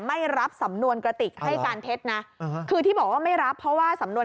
ไม่รับสำนวนกระติกให้การเท็จนะคือที่บอกว่าไม่รับเพราะว่าสำนวน